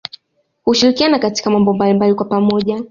Hushirikiana katika mambo mbalimbali kwa pamoja